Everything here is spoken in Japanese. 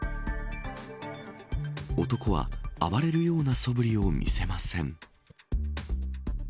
男は暴れるようなそぶりを見せません。